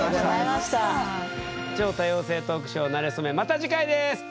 また次回です！